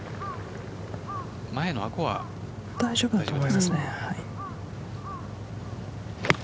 大丈夫だと思いますね。